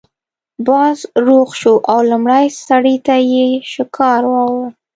باز روغ شو او لومړي سړي ته یې شکار راوړ.